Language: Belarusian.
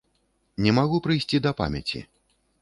Не магу прыйсці да памяці.